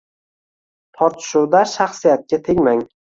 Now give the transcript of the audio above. Tortishuvda shaxsiyatga tegmang.